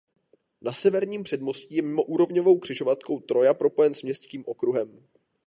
Na severním předmostí je mimoúrovňovou křižovatkou Troja propojen s Městským okruhem.